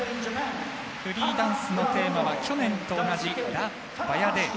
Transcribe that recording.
フリーダンスのテーマは去年と同じ「ラ・バヤデール」。